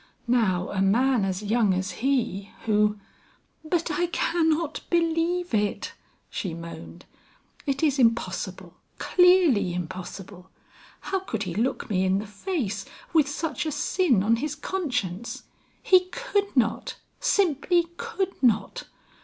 Now a man as young as he, who " "But I cannot believe it," she moaned. "It is impossible, clearly impossible. How could he look me in the face with such a sin on his conscience! He could not, simply could not.